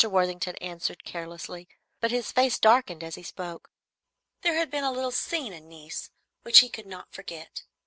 Worthington answered carelessly, but his face darkened as he spoke. There had been a little scene in Nice which he could not forget.